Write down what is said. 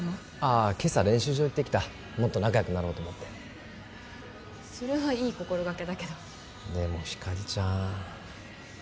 ああ今朝練習場行ってきたもっと仲よくなろうと思ってそれはいい心がけだけどでもひかりちゃん